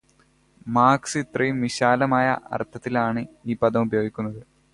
Marks ഇത്രയും വിശാലമായ അർഥത്തിലാണ് ആ പദം ഉപയോഗിക്കുന്നത്.